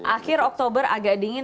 akhir oktober agak dingin